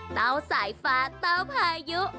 เต้าสายฟ้าเต้าพายุ